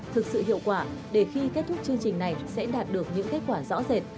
thực sự hiệu quả để khi kết thúc chương trình này sẽ đạt được những kết quả rõ rệt